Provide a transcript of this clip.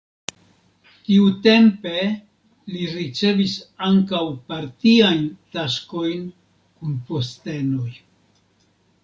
Tiutempe li ricevis ankaŭ partiajn taskojn kun postenoj.